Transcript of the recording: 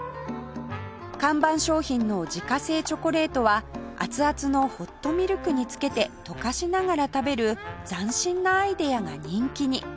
看板商品の自家製チョコレートは熱々のホットミルクにつけて溶かしながら食べる斬新なアイデアが人気に